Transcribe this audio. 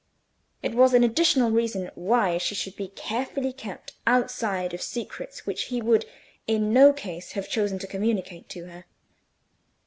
It was an additional reason why she should be carefully kept outside of secrets which he would in no case have chosen to communicate to her.